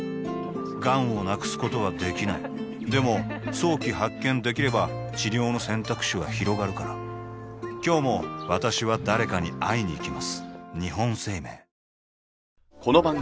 がんを無くすことはできないでも早期発見できれば治療の選択肢はひろがるから今日も私は誰かに会いにいきます